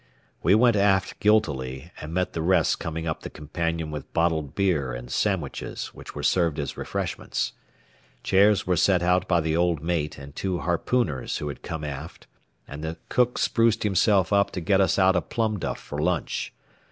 We went aft guiltily, and met the rest coming up the companion with bottled beer and sandwiches which were served as refreshments. Chairs were set out by the old mate and two harpooners who had come aft, and the cook spruced himself up to get us out a plum duff for lunch.